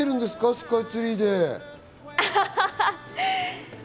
スカイツリーで。